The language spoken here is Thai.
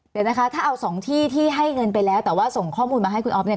เดี๋ยวนะคะถ้าเอาสองที่ที่ให้เงินไปแล้วแต่ว่าส่งข้อมูลมาให้คุณอ๊อฟเนี่ย